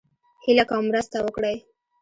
هيله کوم مرسته وکړئ